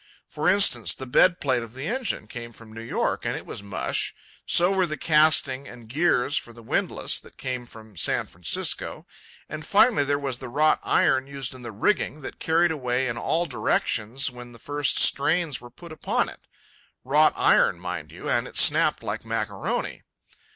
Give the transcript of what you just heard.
For instance, the bed plate of the engine came from New York, and it was mush; so were the casting and gears for the windlass that came from San Francisco. And finally, there was the wrought iron used in the rigging, that carried away in all directions when the first strains were put upon it. Wrought iron, mind you, and it snapped like macaroni.